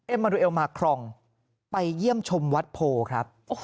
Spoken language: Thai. มาดูเอลมาครองไปเยี่ยมชมวัดโพครับ